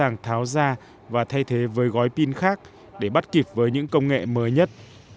chúng tôi sẽ tháo ra và thay thế với gói pin khác để bắt kịp với những công nghệ mới nhất